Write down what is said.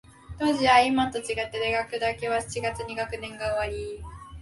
当時は、いまと違って、大学だけは七月に学年が終わり、